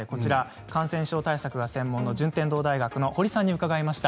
感染症対策が専門の順天堂大学の堀さんに伺いました。